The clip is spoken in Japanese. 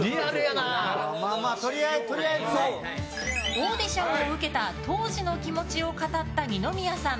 オーディションを受けた当時の気持ちを語った二宮さん。